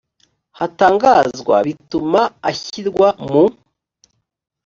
hatangazwa bituma ashyirwa mu